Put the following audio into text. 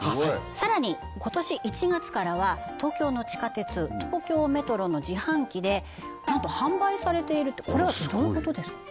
さらに今年１月からは東京の地下鉄東京メトロの自販機でなんと販売されているとこれはどういうことですか？